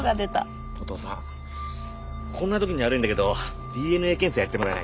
お父さんこんなときに悪いんだけどＤＮＡ検査やってもらえないかな？